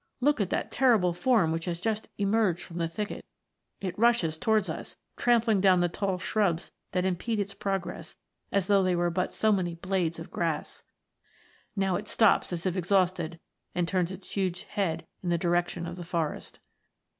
Look at that terrible form which has just emerged from the thicket. It rushes towards us, trampling down the tall shrubs that impede its progress as though they were but so many blades of grass. Now it stops as if exhausted, and turns its huge head in the direction of the forest.